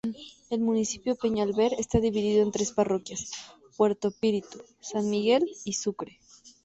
El Municipio Peñalver está dividido en tres parroquias, Puerto Píritu, San Miguel y Sucre.